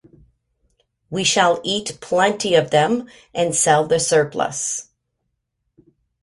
We shall eat plenty of them and sell the surplus.